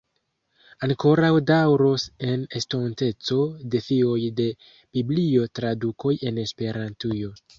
Ankoraŭ daŭros en estonteco defioj de Biblio-tradukoj en Esperantujo.